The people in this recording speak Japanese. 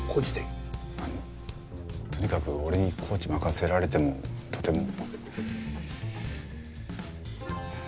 とにかく俺にコーチ任せられてもとても。